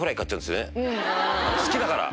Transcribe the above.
好きだから。